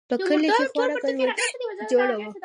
په کلي کښې خورا گډوډي جوړه وه.